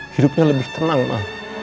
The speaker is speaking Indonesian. hidupnya lebih tenang ma